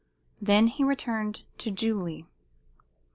Then he returned to Julie.